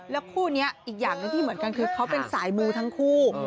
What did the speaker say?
แล้วคู่นี้อีกอย่างหนึ่งที่เหมือนกันคือเขาเป็นสายมูทั้งคู่